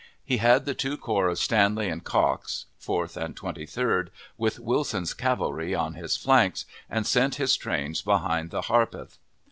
He had the two corps of Stanley and Cox (Fourth and Twenty third), with Wilson's cavalry on his flanks, and sent his trains behind the Harpeth.